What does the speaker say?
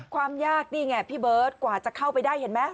ความยากนี่ไงพี่เบิร์ตกว่าจะเข้าไปได้เห็นไหม